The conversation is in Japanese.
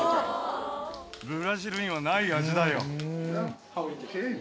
ブラジルにはない味だよ。